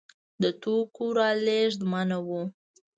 د توکو رالېږد منع و.